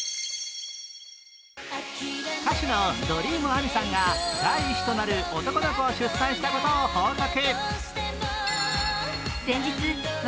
歌手のＤｒｅａｍＡｍｉさんが第１子となる男の子を出産したことを報告。